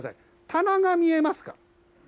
棚が見えますか？